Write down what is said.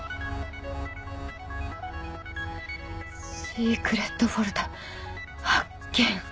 シークレットフォルダ発見。